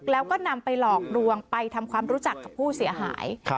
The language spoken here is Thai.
แล้วก็นำไปหลอกลวงไปทำความรู้จักกับผู้เสียหาย